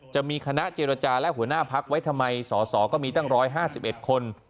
จะมีคณะเจรจาและหัวหน้าพักไว้ทำไมสอสอก็มีตั้ง๑๕๑คน